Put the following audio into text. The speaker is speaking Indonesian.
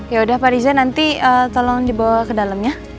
yaudah pak riza nanti tolong dibawa ke dalamnya